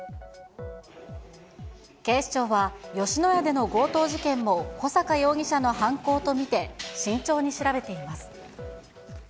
警視庁は、吉野家での強盗事件も小阪容疑者の犯行と見て、慎重に調べています。